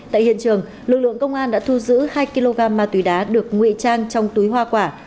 tại hiện trường lực lượng công an đã thu giữ hai kg ma túy đá được nguy trang trong túi hoa quả